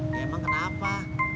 ya emang kenapa